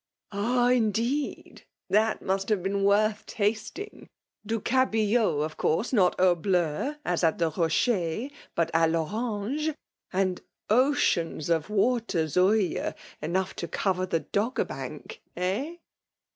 " Ah !— indeed !— Tkal must have been worth tasting ? Du cabillot, of course not au bUu, (as at the Rocher) hut a T Orange ; and oceans of water Zuije, enough to cover the Doggerbank — eh?